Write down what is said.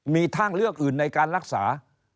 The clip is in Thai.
มีทางเลือกอื่นในการรักษา